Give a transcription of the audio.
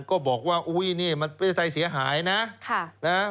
ก็บอกว่าอุ้ยนี่มันประเทศไทยเสียหายนะ